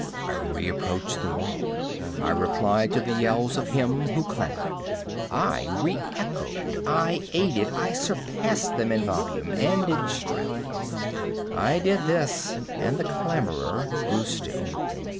I reapproached the wall. I replied to the yells of him who clamored. I re echoed—I aided—I surpassed them in volume and in strength. I did this, and the clamorer grew still.